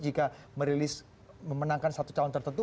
jika merilis memenangkan satu calon tertentu